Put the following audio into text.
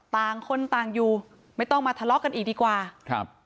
ต่างคนต่างอยู่ไม่ต้องมาทะเลาะกันอีกดีกว่าครับ